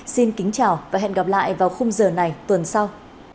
xin kính chào và hẹn gặp lại vào khung giờ này tuần sau